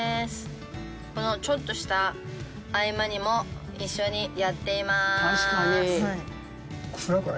このちょっとした合間にも一緒にやっています。